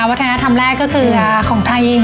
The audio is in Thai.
วัฒนธรรมแรกก็คือของไทย